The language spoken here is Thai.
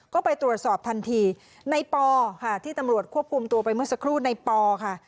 ก็ไปตรวจสอบทันทีในปอค่ะที่ตำรวจควบคุมตัวไปเมื่อสักครู่ในปอค่ะ